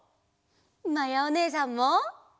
まやおねえさんも！